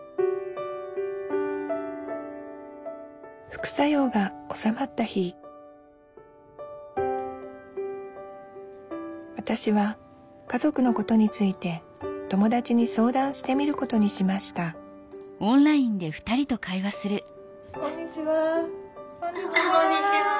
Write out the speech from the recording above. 副作用が治まった日わたしは家族のことについて友達に相談してみることにしましたこんにちは。